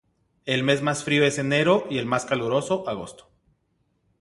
El mes más frío es enero y el más caluroso agosto.